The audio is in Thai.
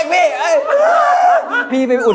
เบี้ยงดิ